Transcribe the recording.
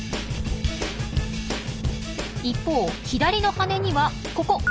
一方左の翅にはここ。